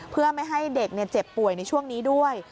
เพื่อไม่ให้เด็กเจ็บป่วยในช่วงนี้ด้วย